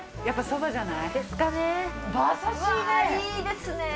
うわいいですね。